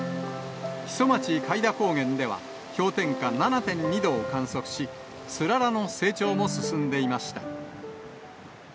木曽町開田高原では、氷点下７．２度を観測し、つららの成長も進んでいました。